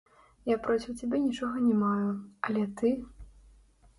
Я проціў цябе нічога не маю, але ты!